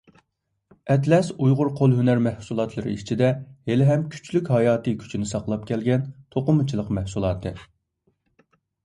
ئەتلەس ئۇيغۇر قول ھۈنەر مەھسۇلاتلىرى ئىچىدە ھېلىھەم كۈچلۈك ھاياتىي كۈچىنى ساقلاپ كەلگەن توقۇمىچىلىق مەھسۇلاتى.